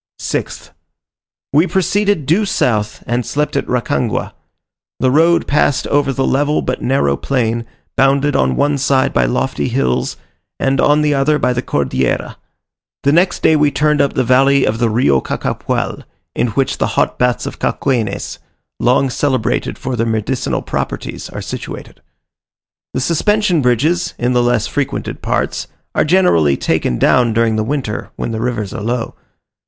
6th. We proceeded due south, and slept at Rancagua. The road passed over the level but narrow plain, bounded on one side by lofty hills, and on the other by the Cordillera. The next day we turned up the valley of the Rio Cachapual, in which the hot baths of Cauquenes, long celebrated for their medicinal properties, are situated. The suspension bridges, in the less frequented parts, are generally taken down during the winter when the rivers are low.